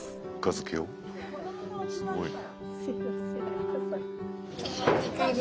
すごいね。